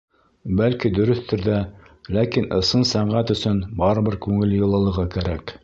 Бәлки, дөрөҫтөр ҙә, ләкин ысын сәнғәт өсөн барыбер күңел йылылығы кәрәк.